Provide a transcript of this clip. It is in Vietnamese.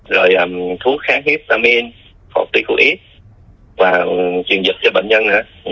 rồi thuốc kháng hiếp amin phột tí khủy và truyền dịch cho bệnh nhân